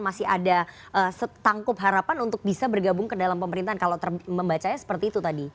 masih ada setangkup harapan untuk bisa bergabung ke dalam pemerintahan kalau membacanya seperti itu tadi